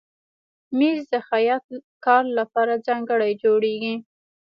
مېز د خیاط کار لپاره ځانګړی جوړېږي.